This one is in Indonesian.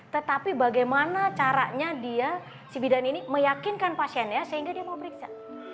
tetapi bagaimana caranya dia si bidan ini meyakinkan pasiennya sehingga dia mau periksa